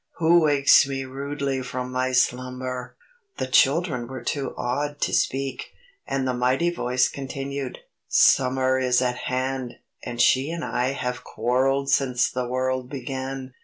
Who wakes me rudely from my slumber?" The children were too awed to speak, and the mighty voice continued: "Summer is at hand! and she and I have quarrelled since the world began.